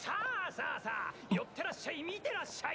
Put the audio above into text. さァよってらっしゃい見てらっしゃい！